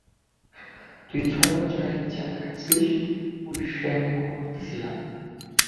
তুই ছয় বছর জেল খাটছিস, পুলিশরে আমি খবর দিছিলাম।